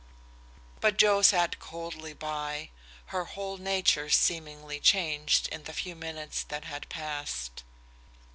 But Joe sat coldly by, her whole nature seemingly changed in the few minutes that had passed.